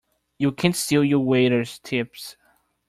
You can't steal your waiters' tips!